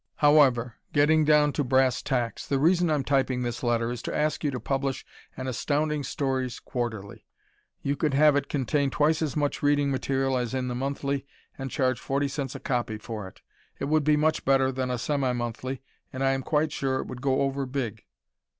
However, getting down to brass tacks, the reason I'm typing this letter is to ask you to publish an Astounding Stories Quarterly. You could have it contain twice as much reading material as in the monthly and charge forty cents a copy for it. It would be much better than a semi monthly and I am quite sure it would "go over" big.